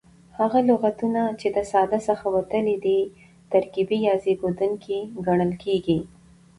هغه لغتونه، چي د ساده څخه وتلي دي ترکیبي یا زېږېدونکي کڼل کیږي.